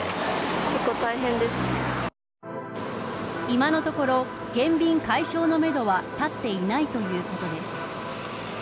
今のところ、減便解消のめどは立っていないということです。